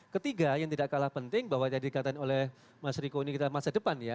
ketiga yang tidak kalah penting bahwa tadi dikatakan oleh mas riko ini kita masa depan ya